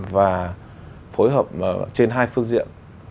và phối hợp trên hai phương diện